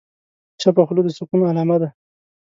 چپه خوله، د سکون علامه ده.